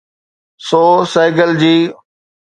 سو سهگل جي.